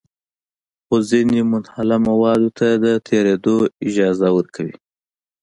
خو ځینې منحله موادو ته د تېرېدو اجازه ورکوي.